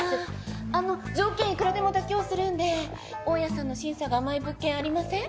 ああの条件いくらでも妥協するんで大家さんの審査が甘い物件ありません？